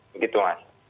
jadi itu yang kita lihat